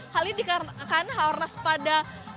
hal ini dikarenakan haornas pada